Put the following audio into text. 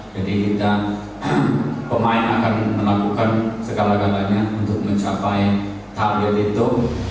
jadi kita pemain akan melakukan segala galanya untuk mencapai target itu